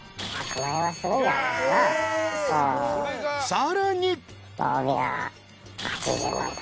［さらに］